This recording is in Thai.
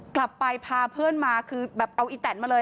กลับไปพาเพื่อนมาคือแบบเอาไอ้แทนมาเลย